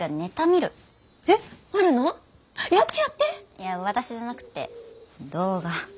いや私じゃなくて動画。